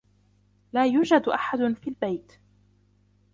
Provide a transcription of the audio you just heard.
لا يوجد أحد في البيت.